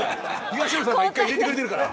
東野さんが１回入れてくれてるから。